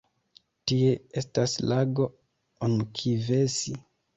Tie estas lago Onkivesi.